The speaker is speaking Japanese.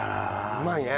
うまいね。